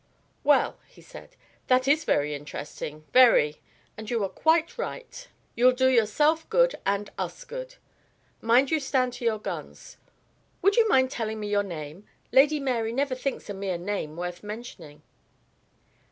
"Well," he said, "that is very interesting, very. And you are quite right. You'll do yourself good and us good. Mind you stand to your guns. Would you mind telling me your name? Lady Mary never thinks a mere name worth mentioning."